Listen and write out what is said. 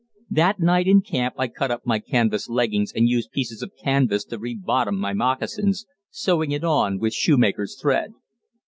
That night in camp I cut up my canvas leggings and used pieces of the canvas to rebottom my moccasins, sewing it on with shoemaker's thread.